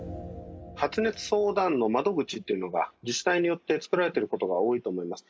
発熱相談の窓口というのが、自治体によって作られてることが多いと思います。